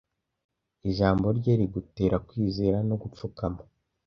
ijambo rye rigutera kwizera no gupfukama